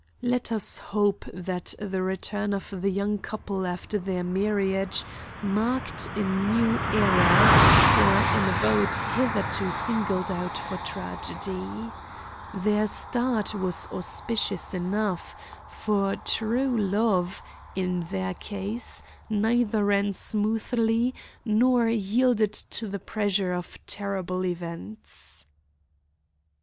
Let us hope that the return of the young couple after their marriage marked a new era for an abode hitherto singled out for tragedy. Their start was auspicious enough, for true love, in their case, neither ran smoothly nor yielded to the pressure of terrible events. Mr.